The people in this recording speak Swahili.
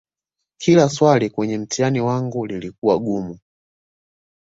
kila swali kwenye mtihani wangu lilikuwa gumu